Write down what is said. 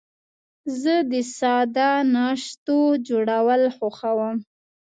زه د ساده ناشتو جوړول خوښوم.